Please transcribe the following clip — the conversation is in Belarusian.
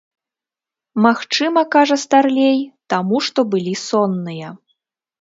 Магчыма, кажа старлей, таму што былі сонныя.